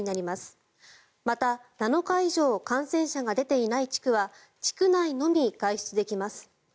また、７日以上感染者が出ていない地区は地区内のみ外出できます。